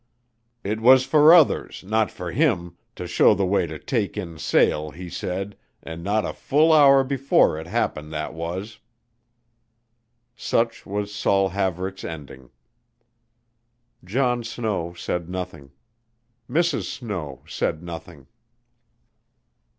It was for others, not for him, to show the way to take in sail, he said, and not a full hour before it happened that was." Such was Saul Haverick's ending. John Snow said nothing; Mrs. Snow said nothing.